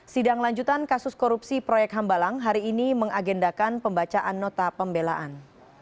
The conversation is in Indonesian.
sidang lanjutan kasus korupsi proyek hambalang hari ini mengagendakan pembacaan nota pembelaan